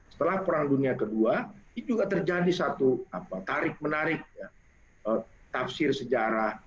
setelah perang dunia ii itu juga terjadi satu tarik menarik tafsir sejarah